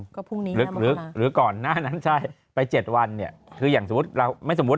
ก็พรุ่งนี้หรือก่อนหน้านั้นไป๗วันคืออย่างไม่สมมุติ